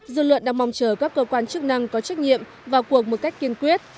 dư luận đang mong chờ các cơ quan chức năng có trách nhiệm vào cuộc một cách kiên quyết